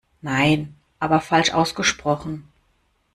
Nein, aber falsch ausgesprochen.